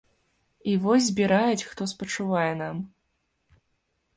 І вось збіраюць, хто спачувае нам.